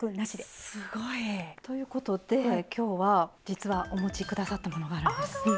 すごい！ということで今日は実はお持ち下さったものがあるんですね。